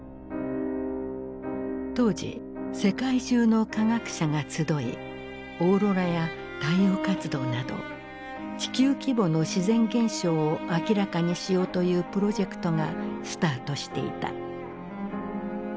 当時世界中の科学者が集いオーロラや太陽活動など地球規模の自然現象を明らかにしようというプロジェクトがスタートしていた。